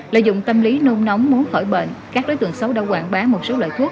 lợi dụng tâm lý nôn nóng muốn khỏi bệnh các đối tượng xấu đã quảng bá một số loại thuốc